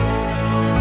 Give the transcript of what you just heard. mak udah mak